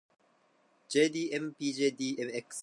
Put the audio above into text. jdmpjdmx